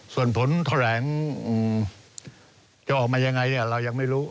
ส่วนผลแถลงจะออกมายังไงเรายังไม่รู้